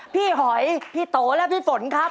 หอยพี่โตและพี่ฝนครับ